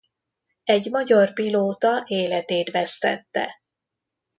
Egy magyar pilóta életét vesztette.